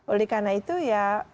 oleh karena itu ya